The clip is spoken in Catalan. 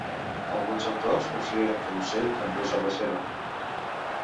Alguns autors consideren que l'ocell també és obra seva.